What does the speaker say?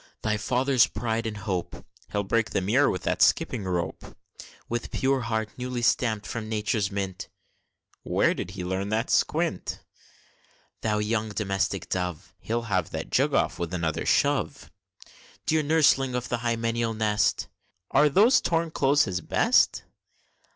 Thy father's pride and hope! (He'll break the mirror with that skipping rope!) With pure heart newly stamp'd from Nature's mint (Where did he learn that squint?) Thou young domestic dove! (He'll have that jug off, with another shove!) Dear nurseling of the hymeneal nest! (Are those torn clothes his best?)